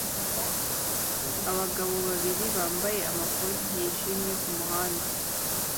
Abagabo babiri bambaye amakoti yijimye kumuhanda